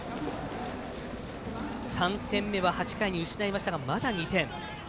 ３点目は８回目に失いましたがまだ２点。